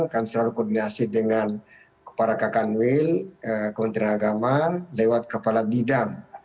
pastikan kan selalu koordinasi dengan para kakanwil kementerian agama lewat kepala didam